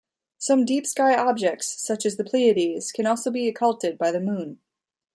Some deep-sky objects, such as the Pleiades, can also be occulted by the Moon.